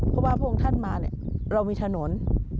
เพราะว่าพระองค์ท่านมาเนี่ยเรามีถนน